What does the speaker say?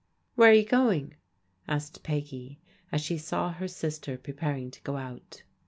" Where are you going? " asked Peggy as she saw her sister preparing to go out.